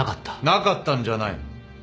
なかったんじゃない。